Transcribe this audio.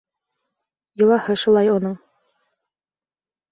Йолаһы шулай уның.